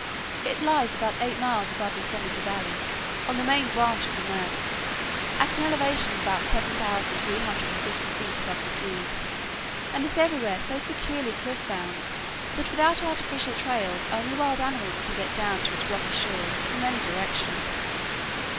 It lies about eight miles above Yosemite Valley, on the main branch of the Merced, at an elevation of about 7350 feet above the sea; and is everywhere so securely cliff bound that without artificial trails only wild animals can get down to its rocky shores from any direction.